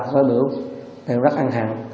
với bữa đều rất ăn hẳn